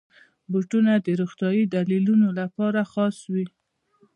بوټونه د روغتیايي دلیلونو لپاره خاص وي.